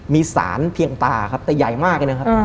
มีสารเพียงตาครับแต่ใหญ่มากเลยนะครับ